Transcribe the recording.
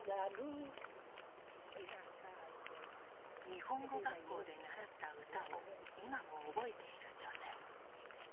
日本語学校で習った歌を今も覚えている女性。